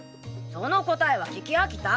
その答えは聞き飽きた。